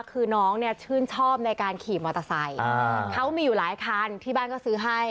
คือน้องเนี่ยชื่นชอบในการขี่มอเตอร์ไซค์เขามีอยู่หลายคันที่บ้านก็ซื้อให้